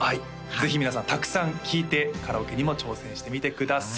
ぜひ皆さんたくさん聴いてカラオケにも挑戦してみてください